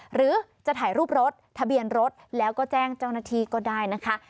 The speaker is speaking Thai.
หรือจะถ่ายรูปรถทะเบียนรถแล้วก็แจ้งเจ้าหน้าที่ก็ได้นะคะ